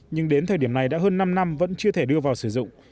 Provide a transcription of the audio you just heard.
nhưng đến thời điểm này đã hơn năm năm vẫn chưa thể đưa vào sử dụng